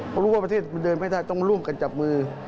เพราะรู้ว่าประเทศมันเดินไม่ได้ต้องร่วมกันจับมือ